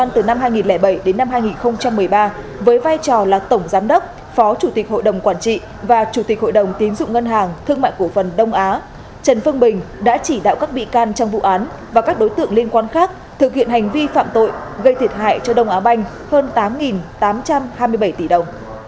trần phương bình đã chỉ đạo các bị can trong vụ án và các đối tượng liên quan khác thực hiện hành vi phạm tội gây thiệt hại cho đông á banh hơn tám tám trăm hai mươi bảy tỷ đồng